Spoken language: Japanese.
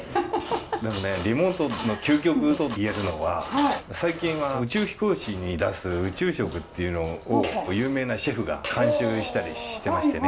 でもねリモートの究極といえるのは最近は宇宙飛行士に出す宇宙食っていうのを有名なシェフが監修したりしてましてね。